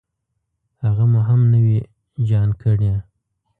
هغه مو هم نوي جان کړې.